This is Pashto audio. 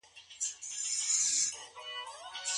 انسان په غم او ښادۍ کي له تدبير څخه کار ولي نه اخلي؟